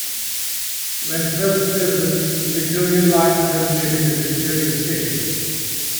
When first opened, the Victoria line terminated at Victoria station.